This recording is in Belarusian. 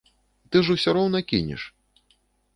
Ты ж усё роўна кінеш.